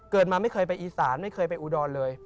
มาไม่เคยไปอีสานไม่เคยไปอุดรเลย